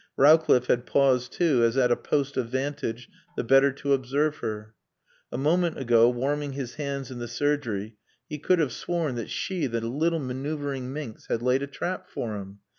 Rowcliffe had paused too, as at a post of vantage, the better to observe her. A moment ago, warming his hands in the surgery, he could have sworn that she, the little maneuvering minx, had laid a trap for him.